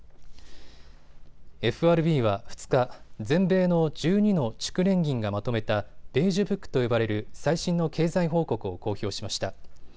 ＦＲＢは２日、全米の１２の地区連銀がまとめたベージュブックと呼ばれる最新の経済報告を公表しました。